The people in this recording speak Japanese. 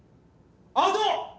アウト！